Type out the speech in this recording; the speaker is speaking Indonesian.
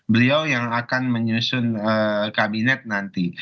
beliau yang akan menyusun kabinet nanti